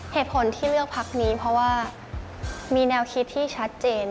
เหตุผลที่เลือกพักนี้เพราะว่ามีแนวคิดที่ชัดเจน